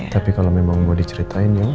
tapi kalau memang mau diceritain ya